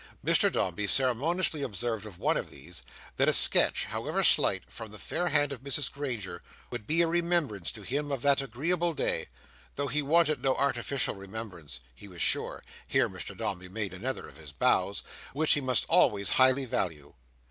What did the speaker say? Mr Dombey ceremoniously observed of one of these, that a sketch, however slight, from the fair hand of Mrs Granger, would be a remembrance to him of that agreeable day: though he wanted no artificial remembrance, he was sure (here Mr Dombey made another of his bows), which he must always highly value.